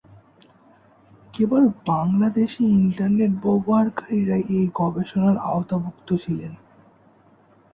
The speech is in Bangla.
কেবল বাংলাদেশি ইন্টারনেট ব্যবহারকারীরাই এই গবেষণার আওতাভুক্ত ছিলেন।